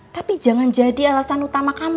tapi jangan jadi alasan utama kami